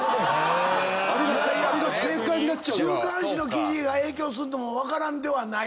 週刊誌の記事が影響すんのも分からんではない。